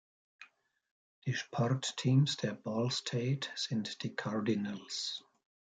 Die Sportteams der Ball State sind die "Cardinals".